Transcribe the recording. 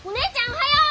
おはよう！